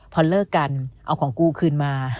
พอเลิกกันเอาของกูคืนมา